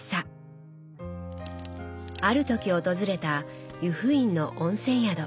ある時訪れた湯布院の温泉宿。